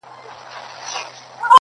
شکر د خدای په نعموتو کي چي تا وينم,